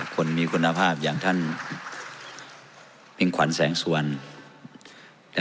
คนมีคุณภาพอย่างท่านมิ่งควันแสงสวรรณภาษาไทย